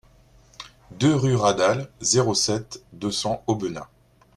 deux rue Radal, zéro sept, deux cents Aubenas